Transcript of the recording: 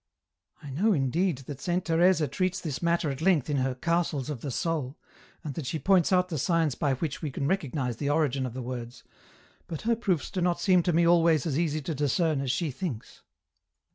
" I know, indeed, that Saint Teresa treats this matter at length in her ' Castles of the Soul,' and that she points out the signs by which we can recognize the origin of the words, but her proofs do not seem to me always as easy to discern as she thinks.